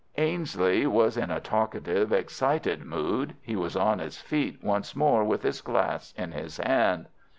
Ainslie was in a talkative, excited mood. He was on his feet once more with his glass in his hand.